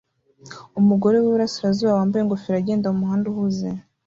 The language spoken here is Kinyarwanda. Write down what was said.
Umugore wiburasirazuba wambaye ingofero agenda mumuhanda uhuze